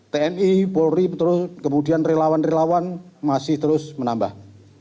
tni polri terus kemudian relawan relawan masih terus menambah